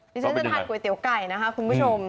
ที่ฉันจะทานก๋วยเตี๋ยวไก่นะคะคุณผู้ชม